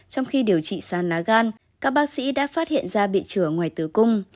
trong khi điều trị sán lá gan các bác sĩ đã phát hiện ra bị trừa ngoài tử cung